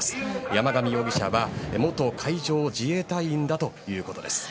山上容疑者は元海上自衛隊員だということです。